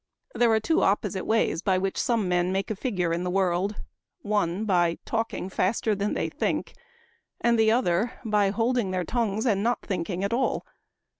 There are two oppo site ways by which some men make a figure in the world : one, by talking faster than they think ; and the other, by holding their tongues and not thinking at all.